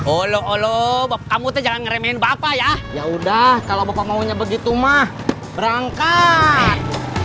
oloh oloh kamu jangan remein bapak ya ya udah kalau bapak maunya begitu mah berangkat